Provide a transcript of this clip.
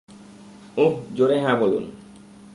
উহ জোরে হ্যাঁ বলুন।